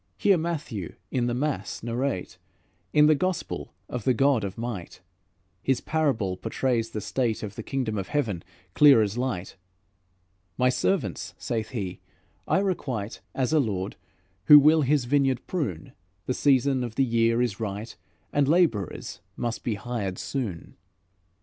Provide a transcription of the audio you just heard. Hear Matthew in the mass narrate, In the Gospel of the God of might, His parable portrays the state Of the Kingdom of Heaven, clear as light: 'My servants,' saith He, 'I requite As a lord who will his vineyard prune; The season of the year is right, And labourers must be hired soon.'"